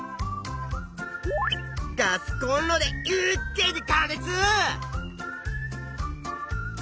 ガスコンロで一気に加熱！